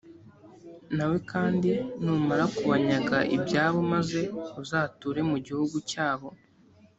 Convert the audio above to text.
nawe kandi numara kubanyaga ibyabo maze uzature mu gihugu cyabo,